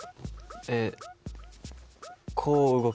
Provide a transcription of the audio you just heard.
えっこう動く。